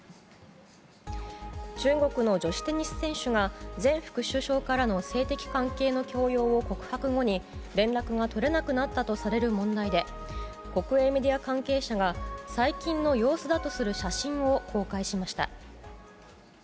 中国の女子テニス選手が前副首相からの性的関係の強要を告白後に連絡が取れなくなったとされる問題で国営メディア関係者が最近の様子だとする写真を公開しました。